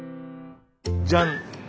じゃん！